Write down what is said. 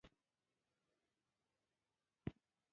احمدشاه بابا به د ولس هر ږغ اورېده.